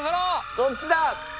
どっちだ？